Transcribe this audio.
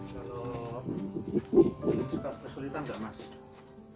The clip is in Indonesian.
kalau ini sekat kesulitan nggak mas